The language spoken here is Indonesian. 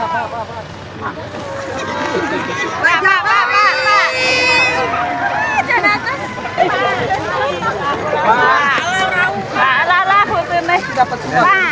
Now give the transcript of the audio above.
datang masam seorang presiden